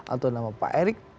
atau nama pak erik